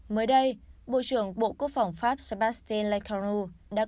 mới đây bộ trưởng bộ quốc phòng pháp sébastien lecourneau